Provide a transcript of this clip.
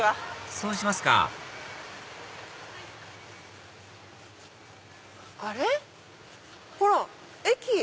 そうしますかあれ⁉ほら駅。